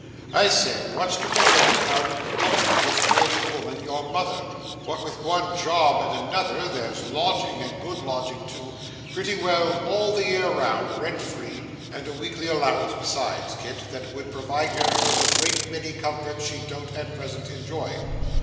I say, what's to prevent our employing this worthy woman, your mother? What with one job and another, there's lodging and good lodging too pretty well all the year round, rent free, and a weekly allowance besides, Kit, that would provide her with a great many comforts she don't at present enjoy.